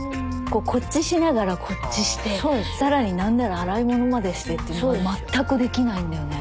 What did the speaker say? こっちしながらこっちしてさらになんなら洗い物までしてって全くできないんだよね。